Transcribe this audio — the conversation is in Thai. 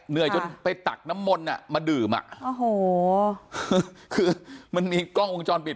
เหนื่อยจนไปตักน้ำมนต์อ่ะมาดื่มอ่ะโอ้โหคือมันมีกล้องวงจรปิด